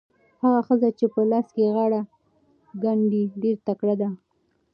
هغه ښځه چې په لاس غاړې ګنډي ډېره تکړه ده.